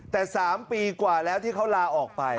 แต่๓ปีกว่าแล้วที่เขาลาออกไป